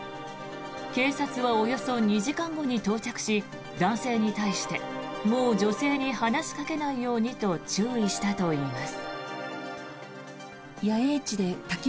警察はおよそ２時間後に到着し男性に対してもう女性に話しかけないようにと注意したといいます。